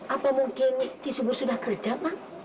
apa mungkin si subur sudah kerja pak